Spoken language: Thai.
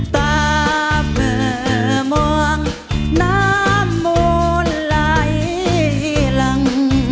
ตาเมื่อมองน้ำมนต์ไหลหลัง